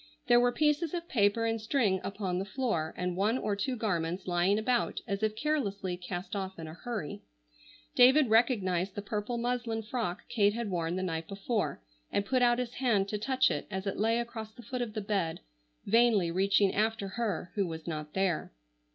There were pieces of paper and string upon the floor and one or two garments lying about as if carelessly cast off in a hurry. David recognized the purple muslin frock Kate had worn the night before, and put out his hand to touch it as it lay across the foot of the bed, vainly reaching after her who was not there.